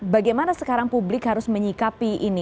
bagaimana sekarang publik harus menyikapi ini